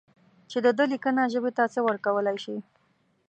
چې د ده لیکنه ژبې ته څه ورکولای شي.